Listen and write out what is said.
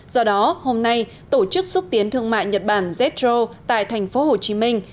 do đó hôm nay tổ chức xúc tiến thương mại nhật bản zroo tại thành phố hồ chí minh